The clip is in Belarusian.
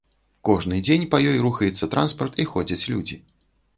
Кожны дзень па ёй рухаецца транспарт і ходзяць людзі.